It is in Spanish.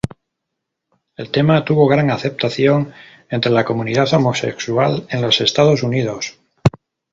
El tema tuvo gran aceptación entre la comunidad homosexual en los Estados Unidos.